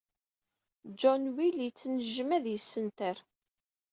John wel yettnejjem ad ysenter.